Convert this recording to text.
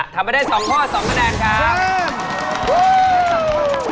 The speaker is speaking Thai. ทำไปได้๒ข้อ๒คะแนนครับ